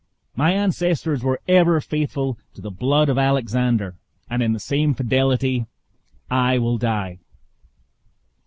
My ancestors were ever faithful to the blood of Alexander, and in the same fidelity I will die."